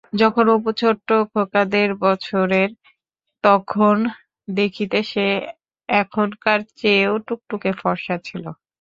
যখন অপু ছোট্ট খোকা দেড়বছরেরটি, তখন দেখিতে সে এখনকার চেয়েও টুকটুকে ফরসা ছিল।